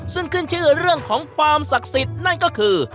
ซึ่งขึ้นชื่อเรื่องของความศักดิ์สิทธิ์นั่นก็คือ